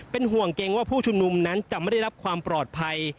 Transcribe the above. เป็นห่วงเกรงว่าผู้ชุมนุมนั้นจะไม่ได้รับความปลอดภัย